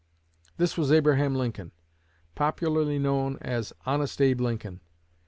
This was Abraham Lincoln, popularly known as 'Honest Abe Lincoln.'